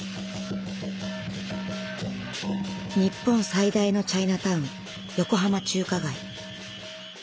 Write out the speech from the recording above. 日本最大のチャイナタウン横浜中華街。